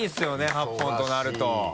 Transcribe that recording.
８本となると。